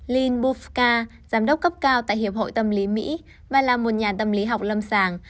lin buffka giám đốc cấp cao tại hiệp hội tâm lý mỹ và là một nhà tâm lý học lâm sàng